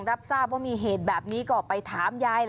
รับทราบว่ามีเหตุแบบนี้ก็ไปถามยาย